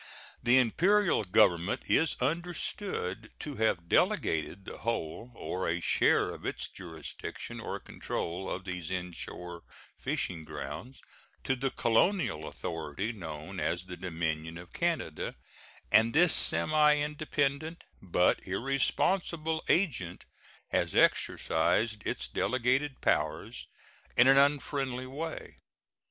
The Imperial Government is understood to have delegated the whole or a share of its jurisdiction or control of these inshore fishing grounds to the colonial authority known as the Dominion of Canada, and this semi independent but irresponsible agent has exercised its delegated powers in an unfriendly way.